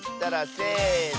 せの。